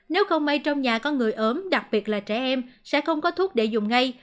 nếu không may trong nhà có người ốm đặc biệt là trẻ em sẽ không có thuốc để dùng ngay